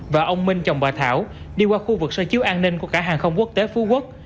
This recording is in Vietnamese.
và ông minh chồng bà thảo đi qua khu vực sơ chiếu an ninh của cả hàng không quốc tế phú quốc